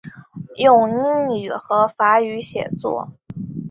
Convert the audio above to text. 用英语和法语写作。